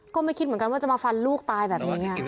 ก็ไม่คิดเหมือนกันว่าจะมาฟันลูกตายแบบนี้